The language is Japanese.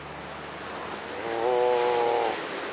お。